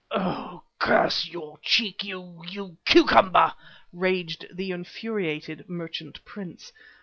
"Oh! curse your cheek, you you cucumber!" raged the infuriated merchant prince.